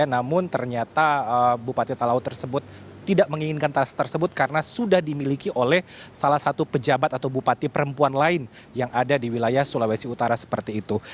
namun ternyata bupati talaut tersebut tidak menginginkan tas tersebut karena sudah dimiliki oleh salah satu pejabat atau bupati perempuan lain yang ada di wilayah sulawesi utara seperti itu